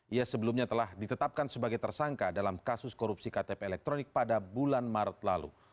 ia sebelumnya telah ditetapkan sebagai tersangka dalam kasus korupsi ktp elektronik pada bulan maret lalu